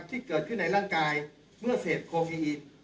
ที่เกิดขึ้นในร่างกายเมื่อเสพโควิด